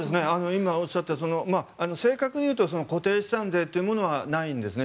今おっしゃった正確に言うと固定資産税というものはないんですね。